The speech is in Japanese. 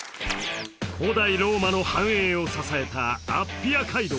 古代ローマの繁栄を支えたアッピア街道